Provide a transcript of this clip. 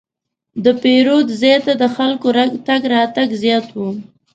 د پیرود ځای ته د خلکو تګ راتګ زیات و.